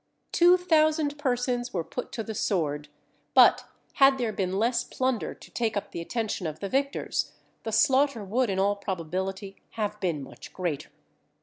Two thousand persons were put to the sword; but had there been less plunder to take up the attention of the victors, the slaughter would in all probability have been much greater.